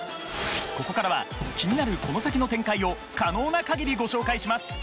ここからは気になるこの先の展開を可能な限りご紹介します